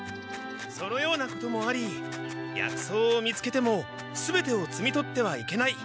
そのようなこともあり薬草を見つけても全てをつみ取ってはいけない。